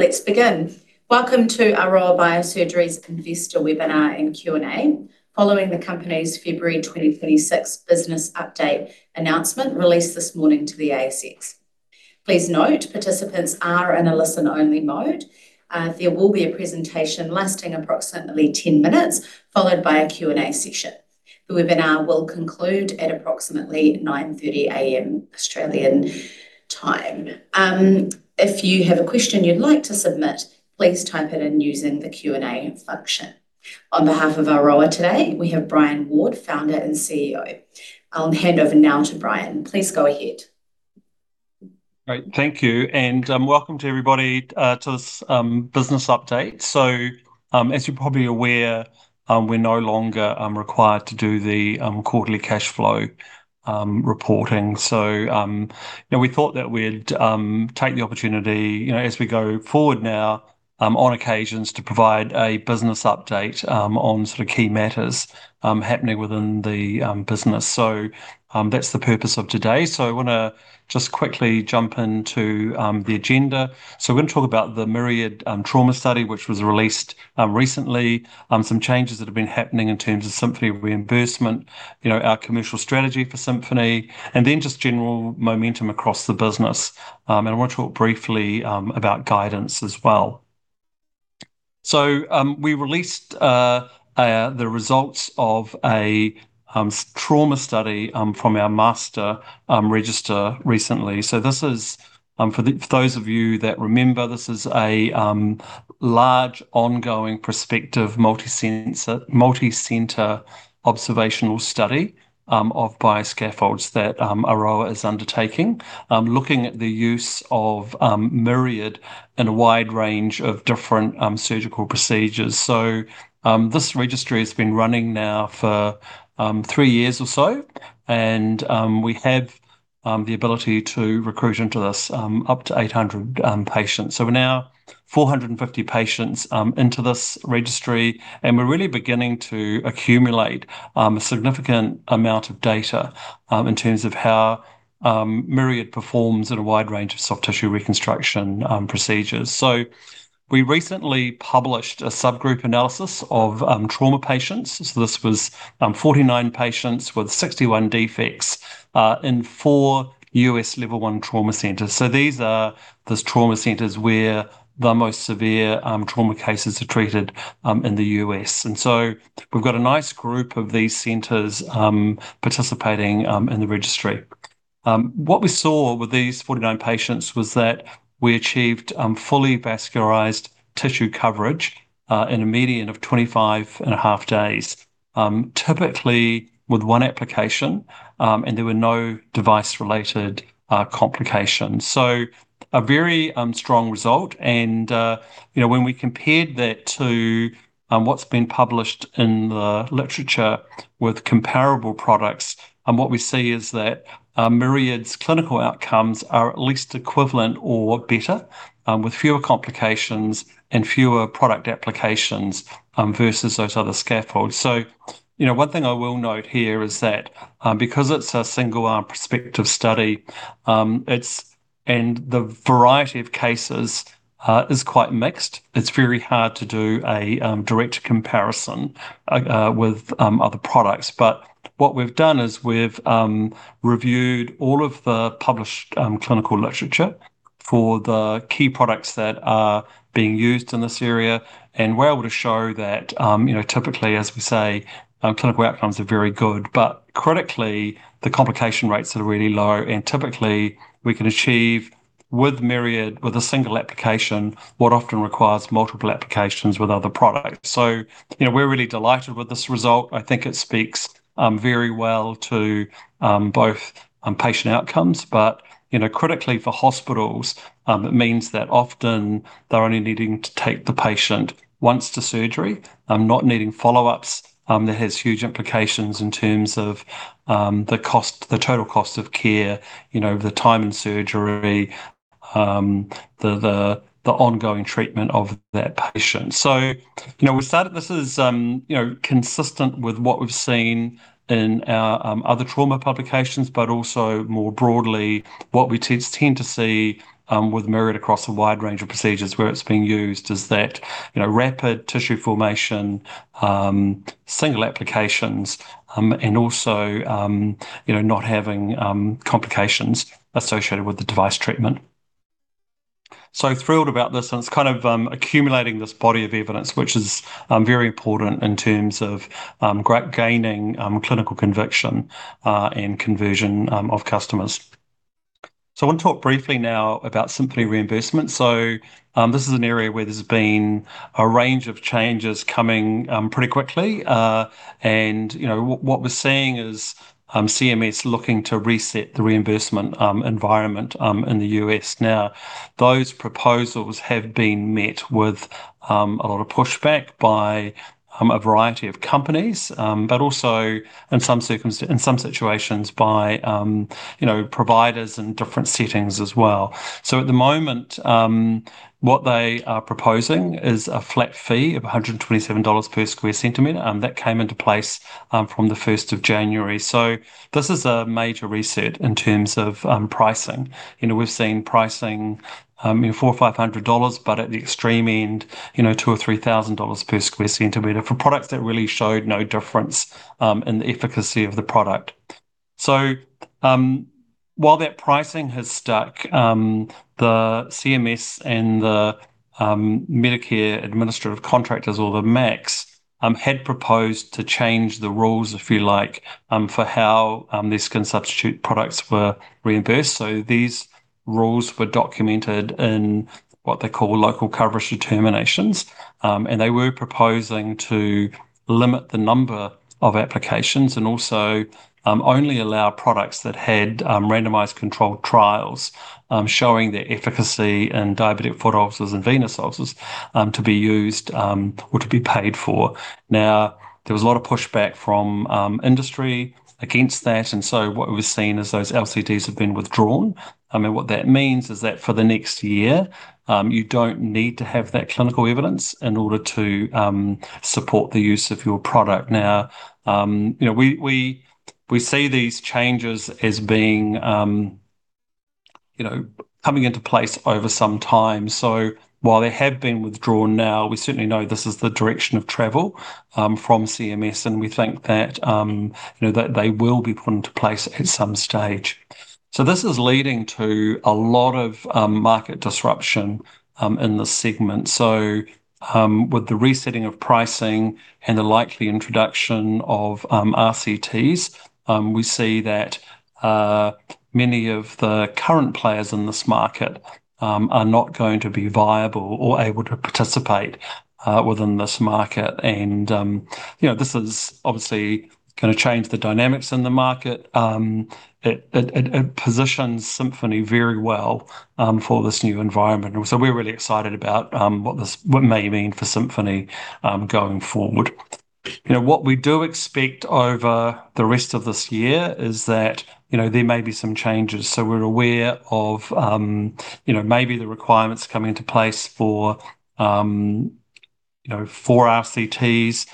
Okay, let's begin. Welcome to Aroa Biosurgery's Investor Webinar and Q&A, following the company's February 2026 business update announcement, released this morning to the ASX. Please note, participants are in a listen-only mode. There will be a presentation lasting approximately 10 minutes, followed by a Q&A session. The webinar will conclude at approximately 9:30 A.M. Australian time. If you have a question you'd like to submit, please type it in using the Q&A function. On behalf of Aroa today, we have Brian Ward, Founder and CEO. I'll hand over now to Brian. Please go ahead. Great, thank you, and welcome to everybody to this business update. So, as you're probably aware, we're no longer required to do the quarterly cash flow reporting. So, you know, we thought that we'd take the opportunity, you know, as we go forward now, on occasions, to provide a business update on sort of key matters happening within the business. So, that's the purpose of today. So I wanna just quickly jump into the agenda. So we're gonna talk about the Myriad trauma study, which was released recently, some changes that have been happening in terms of Symphony reimbursement, you know, our commercial strategy for Symphony, and then just general momentum across the business. And I want to talk briefly about guidance as well. So, we released the results of a trauma study from our MASTR Registry recently. So this is, for those of you that remember, this is a large, ongoing, prospective, multi-center observational study of bioscaffolds that Aroa is undertaking, looking at the use of Myriad in a wide range of different surgical procedures. So, this registry has been running now for three years or so, and we have the ability to recruit into this up to 800 patients. So we're now 450 patients into this registry, and we're really beginning to accumulate a significant amount of data in terms of how Myriad performs in a wide range of soft tissue reconstruction procedures. We recently published a subgroup analysis of trauma patients. This was 49 patients with 61 defects in 4 U.S. Level I trauma centers. These are the trauma centers where the most severe trauma cases are treated in the U.S. And so we've got a nice group of these centers participating in the registry. What we saw with these 49 patients was that we achieved fully vascularized tissue coverage in a median of 25.5 days, typically with 1 application, and there were no device-related complications. So a very strong result and, you know, when we compared that to what's been published in the literature with comparable products, what we see is that Myriad's clinical outcomes are at least equivalent or better with fewer complications and fewer product applications versus those other scaffolds. So, you know, one thing I will note here is that because it's a single-arm prospective study and the variety of cases is quite mixed, it's very hard to do a direct comparison with other products. But what we've done is we've reviewed all of the published clinical literature for the key products that are being used in this area, and we're able to show that, you know, typically, as we say, clinical outcomes are very good, but critically, the complication rates are really low, and typically, we can achieve with Myriad, with a single application, what often requires multiple applications with other products. So, you know, we're really delighted with this result. I think it speaks very well to both patient outcomes, but, you know, critically for hospitals, it means that often they're only needing to take the patient once to surgery, not needing follow-ups. That has huge implications in terms of the cost, the total cost of care, you know, the time in surgery, the ongoing treatment of that patient. So, you know, we started this as, you know, consistent with what we've seen in our, other trauma publications, but also more broadly, what we tend to see, with Myriad across a wide range of procedures where it's being used is that, you know, rapid tissue formation, single applications, and also, you know, not having, complications associated with the device treatment. So thrilled about this, and it's kind of, accumulating this body of evidence, which is, very important in terms of, gaining, clinical conviction, and conversion, of customers. So I want to talk briefly now about Symphony reimbursement. So, this is an area where there's been a range of changes coming, pretty quickly. And, you know, what we're seeing is CMS looking to reset the reimbursement environment in the US. Now, those proposals have been met with a lot of pushback by a variety of companies, but also in some situations by, you know, providers in different settings as well. So at the moment, what they are proposing is a flat fee of $127 per square centimeter that came into place from the first of January. So this is a major reset in terms of pricing. You know, we've seen pricing, you know, $400-$500, but at the extreme end, you know, $2,000-$3,000 per square centimeter for products that really showed no difference in the efficacy of the product. So, while that pricing has stuck, the CMS and the Medicare Administrative Contractors or the MACs had proposed to change the rules, if you like, for how these skin substitute products were reimbursed. So these rules were documented in what they call Local Coverage Determinations. And they were proposing to limit the number of applications, and also only allow products that had randomized controlled trials showing their efficacy in diabetic foot ulcers and venous ulcers to be used or to be paid for. Now, there was a lot of pushback from industry against that, and so what we've seen is those LCDs have been withdrawn. And what that means is that for the next year, you don't need to have that clinical evidence in order to support the use of your product. Now, you know, we see these changes as being, you know, coming into place over some time. So while they have been withdrawn now, we certainly know this is the direction of travel, from CMS, and we think that, you know, that they will be put into place at some stage. So this is leading to a lot of market disruption, in this segment. So, with the resetting of pricing and the likely introduction of RCTs, we see that, many of the current players in this market, are not going to be viable or able to participate, within this market. And, you know, this is obviously gonna change the dynamics in the market. It positions Symphony very well, for this new environment. So we're really excited about what it may mean for Symphony going forward. You know, what we do expect over the rest of this year is that, you know, there may be some changes. So we're aware of, you know, maybe the requirements coming into place for, you know, for RCTs,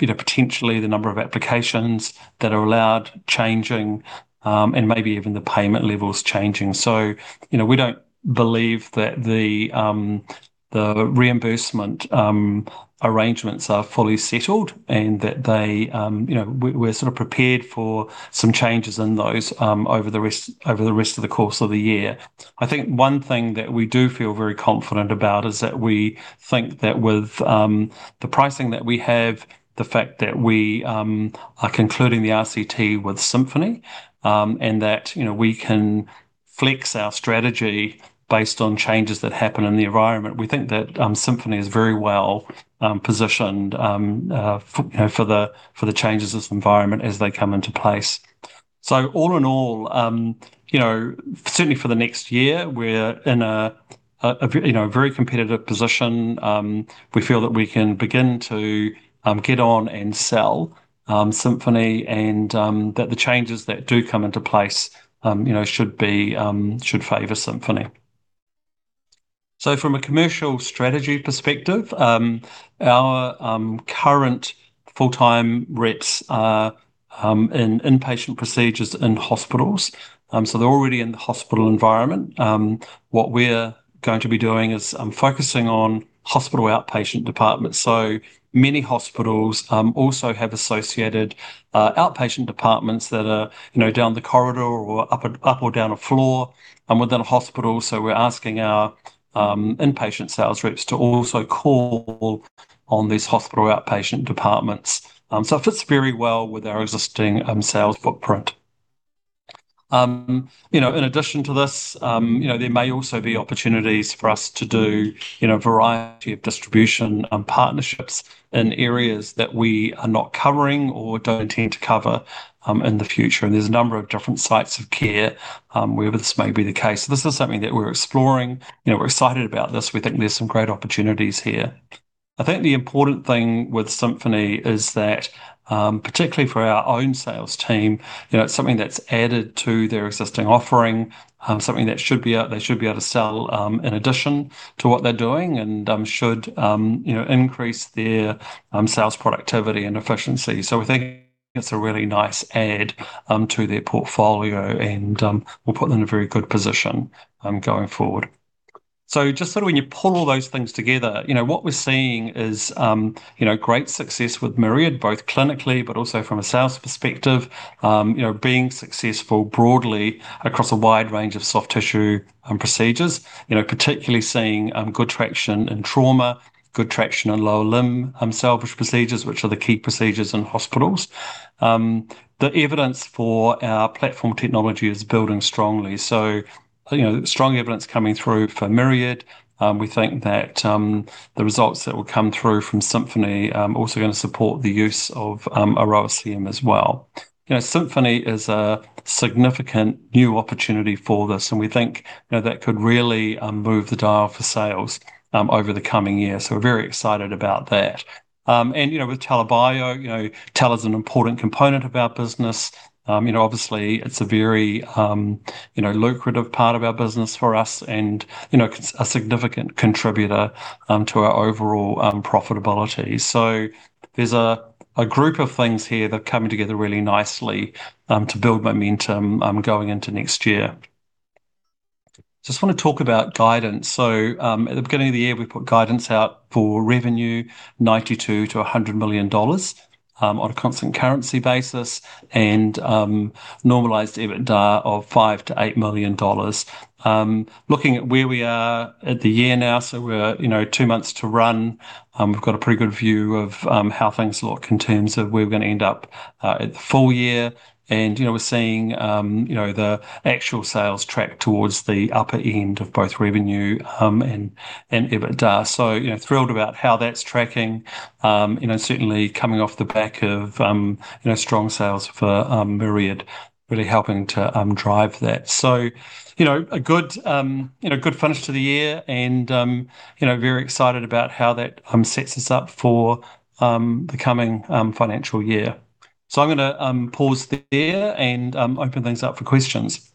you know, potentially the number of applications that are allowed changing, and maybe even the payment levels changing. So, you know, we don't believe that the reimbursement arrangements are fully settled and that they you know we're sort of prepared for some changes in those, over the rest of the course of the year. I think one thing that we do feel very confident about is that we think that with the pricing that we have, the fact that we are concluding the RCT with Symphony, and that, you know, we can flex our strategy based on changes that happen in the environment, we think that Symphony is very well positioned, you know, for the changes in this environment as they come into place. So all in all, you know, certainly for the next year, we're in a you know, a very competitive position. We feel that we can begin to get on and sell Symphony, and that the changes that do come into place, you know, should favor Symphony. From a commercial strategy perspective, our current full-time reps are in inpatient procedures in hospitals. They're already in the hospital environment. What we're going to be doing is focusing on hospital outpatient departments. So many hospitals also have associated outpatient departments that are, you know, down the corridor or up or down a floor within a hospital. We're asking our inpatient sales reps to also call on these hospital outpatient departments. It fits very well with our existing sales footprint. You know, in addition to this, you know, there may also be opportunities for us to do, you know, a variety of distribution and partnerships in areas that we are not covering or don't intend to cover in the future. There's a number of different sites of care, where this may be the case. This is something that we're exploring. You know, we're excited about this. We think there's some great opportunities here. I think the important thing with Symphony is that, particularly for our own sales team, you know, it's something that's added to their existing offering, something that should be out, they should be able to sell, in addition to what they're doing, and, should, you know, increase their, sales productivity and efficiency. So we think it's a really nice add, to their portfolio and, will put them in a very good position, going forward. So just sort of when you pull all those things together, you know, what we're seeing is, you know, great success with Myriad, both clinically but also from a sales perspective. You know, being successful broadly across a wide range of soft tissue procedures, you know, particularly seeing good traction in trauma, good traction in lower limb salvage procedures, which are the key procedures in hospitals. The evidence for our platform technology is building strongly. So, you know, strong evidence coming through for Myriad. We think that the results that will come through from Symphony are also gonna support the use of Aroa ECM as well. You know, Symphony is a significant new opportunity for this, and we think, you know, that could really move the dial for sales over the coming year, so we're very excited about that. And, you know, with TELA Bio, you know, TELA's an important component of our business. You know, obviously, it's a very, you know, lucrative part of our business for us and, you know, a significant contributor to our overall profitability. So there's a group of things here that are coming together really nicely to build momentum going into next year. Just want to talk about guidance. So, at the beginning of the year, we put guidance out for revenue, $92 million-$100 million on a constant currency basis, and normalized EBITDA of $5 million-$8 million. Looking at where we are at the year now, so we're, you know, two months to run, we've got a pretty good view of how things look in terms of where we're gonna end up at the full year. And, you know, we're seeing, you know, the actual sales track towards the upper end of both revenue, and, and EBITDA. So, you know, thrilled about how that's tracking. You know, certainly coming off the back of, you know, strong sales for Myriad, really helping to drive that. So, you know, a good, you know, good finish to the year and, you know, very excited about how that sets us up for the coming financial year. So I'm gonna pause there and open things up for questions.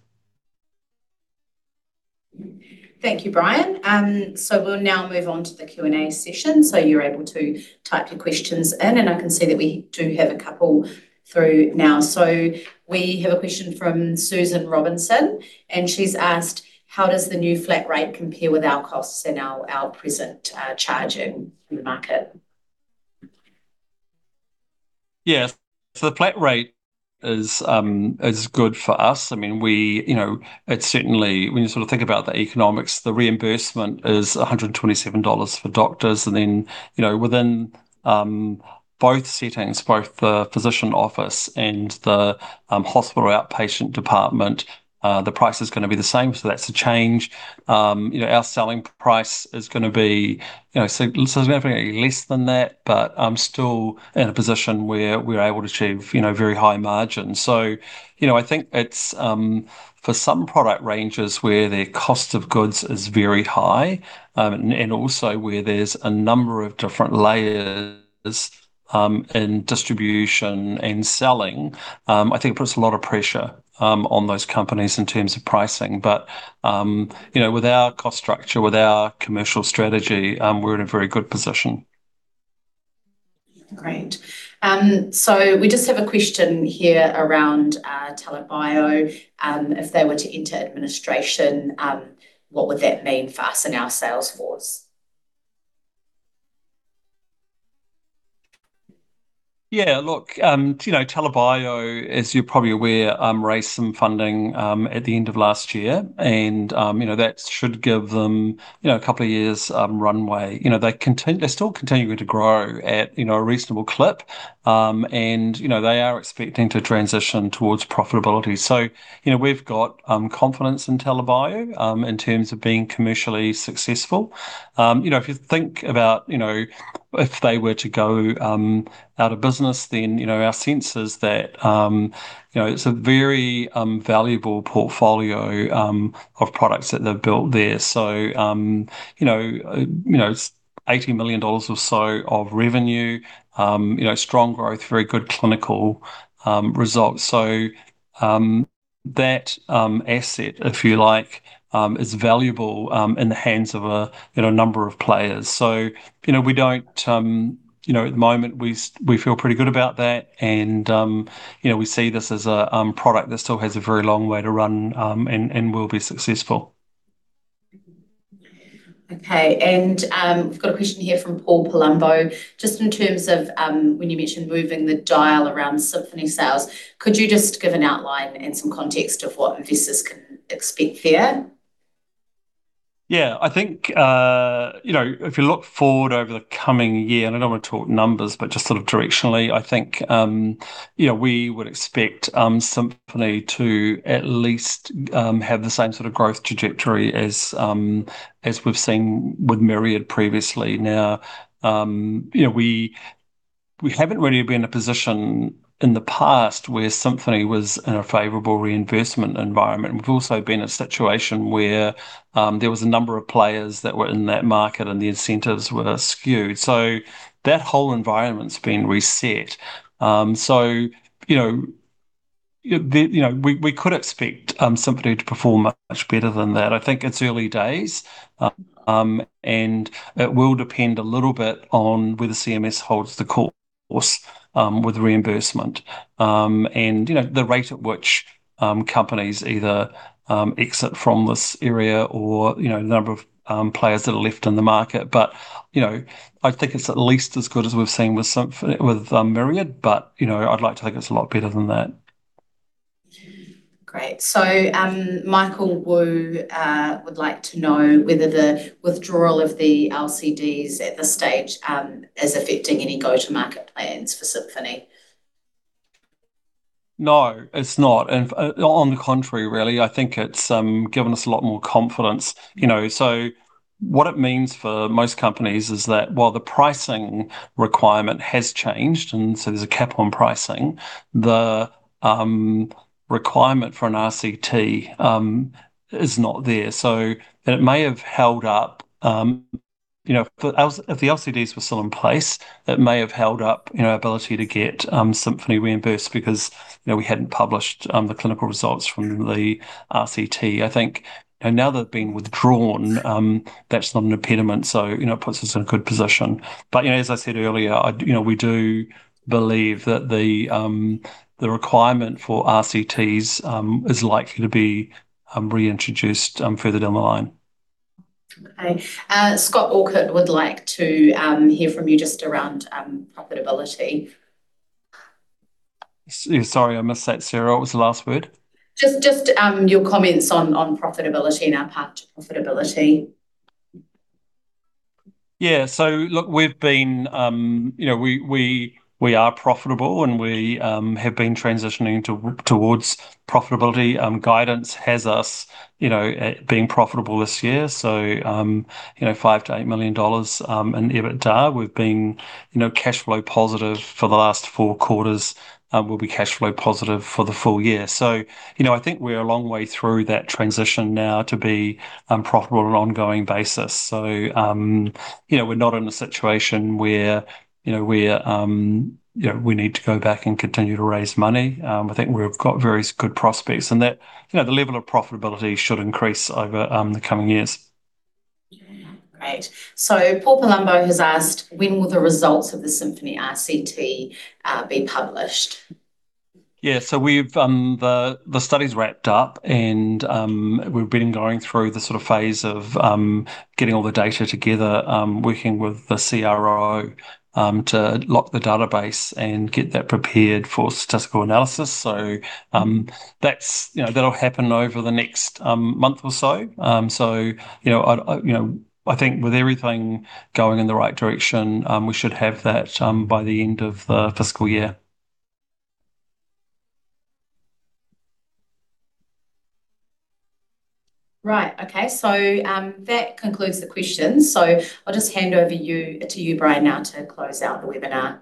Thank you, Brian. So we'll now move on to the Q&A session, so you're able to type your questions in, and I can see that we do have a couple through now. So we have a question from Susan Robinson, and she's asked: How does the new flat rate compare with our costs and our present charging in the market? Yeah. So the flat rate is good for us. I mean, you know, it's certainly, when you sort of think about the economics, the reimbursement is $127 for doctors, and then, you know, within both settings, both the physician office and the hospital outpatient department, the price is gonna be the same, so that's a change. You know, our selling price is gonna be, you know, significantly less than that, but still in a position where we're able to achieve, you know, very high margins. So, you know, I think it's for some product ranges where their cost of goods is very high, and also where there's a number of different layers in distribution and selling, I think it puts a lot of pressure on those companies in terms of pricing. But, you know, with our cost structure, with our commercial strategy, we're in a very good position. Great. So we just have a question here around TELA Bio. If they were to enter administration, what would that mean for us and our sales force? Yeah, look, you know, TELA Bio, as you're probably aware, raised some funding at the end of last year, and, you know, that should give them, you know, a couple of years' runway. You know, they're still continuing to grow at, you know, a reasonable clip. And you know, they are expecting to transition towards profitability. So, you know, we've got confidence in TELA Bio in terms of being commercially successful. You know, if you think about, you know, if they were to go out of business, then, you know, our sense is that, you know, it's a very valuable portfolio of products that they've built there. So, you know, you know, $80 million or so of revenue, you know, strong growth, very good clinical results. So, that asset, if you like, is valuable in the hands of a, you know, number of players. So, you know, we don't. You know, at the moment, we feel pretty good about that, and, you know, we see this as a product that still has a very long way to run, and will be successful. Okay, and, we've got a question here from Paul Palumbo. Just in terms of, when you mentioned moving the dial around Symphony sales, could you just give an outline and some context of what investors can expect there? Yeah. I think, you know, if you look forward over the coming year, and I don't want to talk numbers, but just sort of directionally, I think, you know, we would expect Symphony to at least have the same sort of growth trajectory as we've seen with Myriad previously. Now, you know, we haven't really been in a position in the past where Symphony was in a favorable reimbursement environment. We've also been in a situation where there was a number of players that were in that market, and the incentives were skewed. So that whole environment's been reset. So you know, we could expect Symphony to perform much better than that. I think it's early days, and it will depend a little bit on where the CMS holds the course, with reimbursement, and, you know, the rate at which, companies either, exit from this area or, you know, the number of, players that are left in the market. But, you know, I think it's at least as good as we've seen with Symph- with, Myriad, but, you know, I'd like to think it's a lot better than that. Great. So, Michael Wu would like to know whether the withdrawal of the LCDs at this stage is affecting any go-to-market plans for Symphony. No, it's not, and on the contrary, really, I think it's given us a lot more confidence. You know, so what it means for most companies is that while the pricing requirement has changed, and so there's a cap on pricing, the requirement for an RCT is not there. So it may have held up, you know, if the LCDs were still in place, it may have held up, you know, our ability to get Symphony reimbursed because, you know, we hadn't published the clinical results from the RCT. I think, and now they've been withdrawn, that's not an impediment, so, you know, it puts us in a good position. But, you know, as I said earlier, I, you know, we do believe that the requirement for RCTs is likely to be reintroduced further down the line. Okay, Scott Orchard would like to hear from you just around profitability. Sorry, I missed that, Sarah. What was the last word? Just your comments on profitability and our path to profitability. Yeah, so look, we've been, you know, we are profitable, and we have been transitioning towards profitability. Guidance has us, you know, being profitable this year. So, you know, $5 million-$8 million in EBITDA. We've been, you know, cash flow positive for the last four quarters, and we'll be cash flow positive for the full year. So, you know, I think we're a long way through that transition now to be profitable on an ongoing basis. So, you know, we're not in a situation where, you know, we're. You know, we need to go back and continue to raise money. I think we've got very good prospects, and that, you know, the level of profitability should increase over the coming years. Great. So Paul Palumbo has asked, when will the results of the Symphony RCT be published? Yeah. So we've. The study's wrapped up, and we've been going through the sort of phase of getting all the data together, working with the CRO, to lock the database and get that prepared for statistical analysis. So, that's, you know, that'll happen over the next month or so. So, you know, I think with everything going in the right direction, we should have that by the end of the fiscal year. Right. Okay, so that concludes the questions. So I'll just hand over to you, Brian, now to close out the webinar.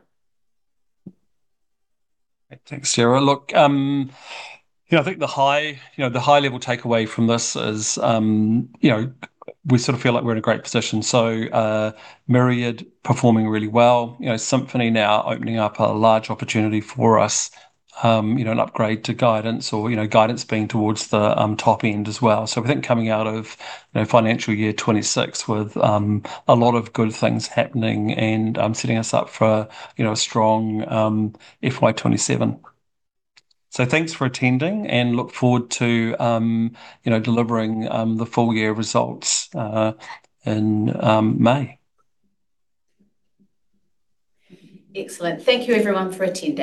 Thanks, Sarah. Look, you know, I think the high-level takeaway from this is, you know, we sort of feel like we're in a great position. So, Myriad performing really well, you know, Symphony now opening up a large opportunity for us, you know, an upgrade to guidance or, you know, guidance being towards the top end as well. So I think coming out of, you know, financial year 2026 with a lot of good things happening and setting us up for, you know, a strong FY 2027. So thanks for attending, and look forward to, you know, delivering the full year results in May. Excellent. Thank you everyone, for attending.